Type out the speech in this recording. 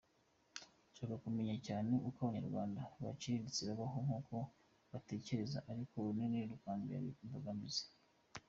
Nshaka kumenya cyane uko abanyarwanda baciriritse babaho n’uko batekereza, ariko ururimi rukambera imbogamizi.